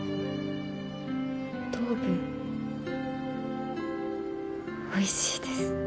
糖分おいしいです。